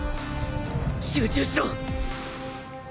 集中しろ！